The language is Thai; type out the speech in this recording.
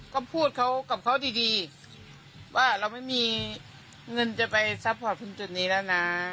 ก็พูดเขากับเขาดีว่าเราไม่มีเงินจะไปซัพพอร์ตถึงจุดนี้แล้วนะ